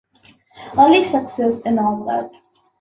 Early success and all that.